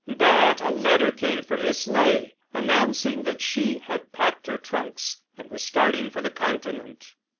But a letter came from Miss Ley announcing that she had packed her trunks and was starting for the continent.